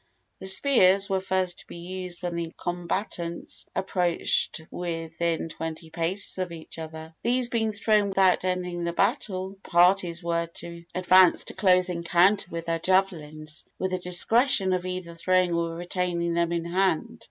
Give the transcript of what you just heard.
The spears were first to be used when the combatants approached within twenty paces of each other. These being thrown without ending the battle, the parties were to advance to close encounter with their javelins, with the discretion of either throwing or retaining them in hand.